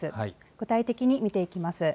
具体的に見ていきます。